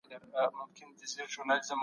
له درد او سوزه ډک کلام لري